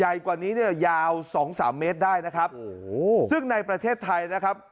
ใหญ่กว่านี้จะยาว๒๓เมตรได้นะครับซึ่งในประเทศไทยนะครับ